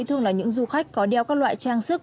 thường là những du khách có đeo các loại trang sức